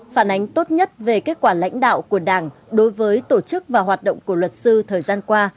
phản ánh tốt nhất về kết quả lãnh đạo của đảng đối với tổ chức và hoạt động của luật sư thời gian qua